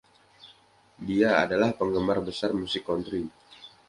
Dia adalah penggemar besar musik country.